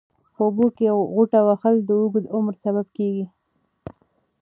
په اوبو کې غوټه وهل د اوږد عمر سبب کېږي.